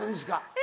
え？